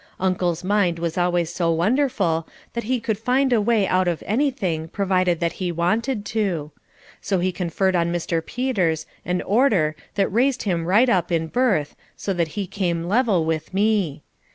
Uncle's mind was always so wonderful that he could find a way out of anything provided that he wanted to. So he conferred on Mr. Peters an Order that raised him right up in birth so that he came level with me.